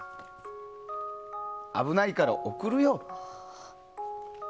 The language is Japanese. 危ないから送るよ。